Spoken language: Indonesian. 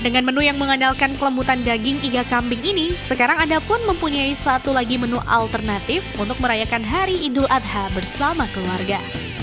dengan menu yang mengandalkan kelembutan daging iga kambing ini sekarang anda pun mempunyai satu lagi menu alternatif untuk merayakan hari idul adha bersama keluarga